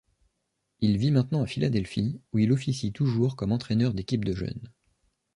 Il vit maintenant à Philadelphie où il officie toujours comme entraîneur d'équipes de jeunes.